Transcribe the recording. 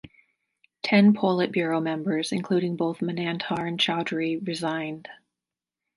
Ten politburo members, including both Manandhar and Chaudhuri, resigned.